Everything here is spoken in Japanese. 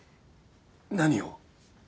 何を？